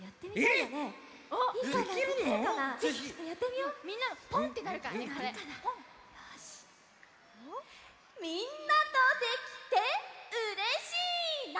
よしみんなとできてうれしいな！